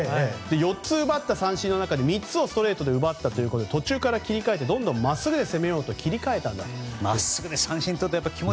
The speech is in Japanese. ４つ奪った三振の中で３つをストレートで奪ったということで途中から切り替えてどんどんまっすぐで攻めようと切り替えたんだと。